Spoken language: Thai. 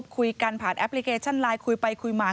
คุยกันผ่านแอปพลิเคชันไลน์คุยไปคุยมา